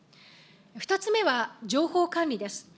２つ目は情報管理です。